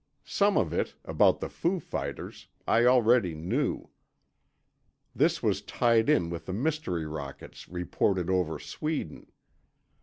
Some of it, about the foo fighters, I already knew. This was tied in with the mystery rockets reported over Sweden.